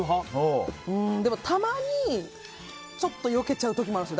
でも、たまにちょっとよけちゃう時もあるんです。